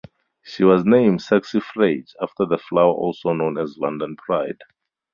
She was named "Saxifrage" after the flower also known as "London Pride".